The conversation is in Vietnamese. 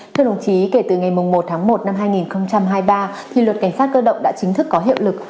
thưa đồng chí kể từ ngày một tháng một năm hai nghìn hai mươi ba thì luật cảnh sát cơ động đã chính thức có hiệu lực